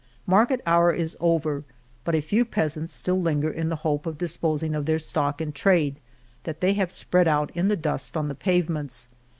Market hour is over, but a few peasants still linger in the hope of disposing of their stock in trade that they have spread out in the dust on the pavements.